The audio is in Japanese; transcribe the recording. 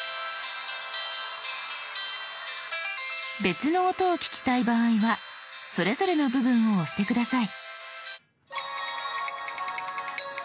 別の音を聞きたい場合はそれぞれの部分を押して下さい。」）」）